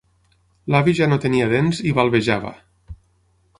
L'avi ja no tenia dents i balbejava.